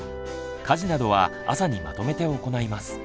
家事などは朝にまとめて行います。